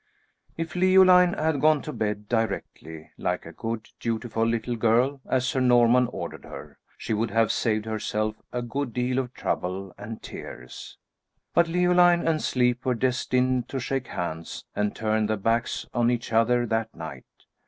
If Leoline had gone to bed directly, like a good, dutiful little girl, as Sir Norman ordered her, she would have saved herself a good deal of trouble and tears; but Leoline and sleep were destined to shake hands and turn their backs on each other that night.